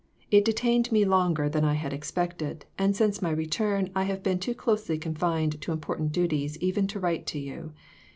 It detained me longer than I had expected, and since my return I have been too closely confined to important duties even to write to you.